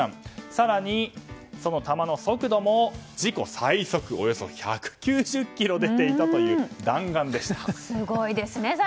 更に、その球の速度も自己最速およそ１９０キロ出ていたという弾丸でした。